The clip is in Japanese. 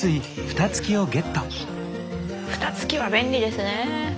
フタつきは便利ですね。